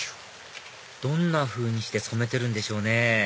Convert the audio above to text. どんなふうにして染めてるんでしょうね